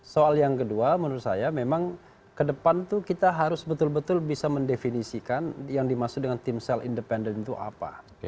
soal yang kedua menurut saya memang ke depan itu kita harus betul betul bisa mendefinisikan yang dimaksud dengan timsel independen itu apa